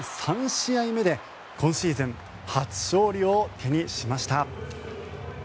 ３試合目で今シーズン初勝利を手にしました。